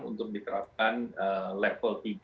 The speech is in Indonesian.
untuk diterapkan level tiga